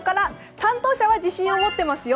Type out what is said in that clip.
担当者は自信を持っていますよ。